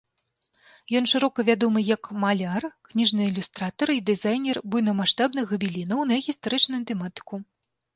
Ён шырока вядомы як маляр, кніжны ілюстратар і дызайнер буйнамаштабных габеленаў на гістарычную тэматыку.